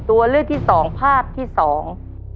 ตัวเลือกที่สองภาพที่สอง